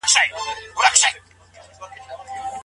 ايا هر جرم جبرانيدلای سي؟